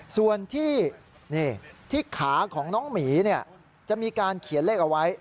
ส่วนที่ขาของน้องหมีจะมีการเขียนเลขเอาไว้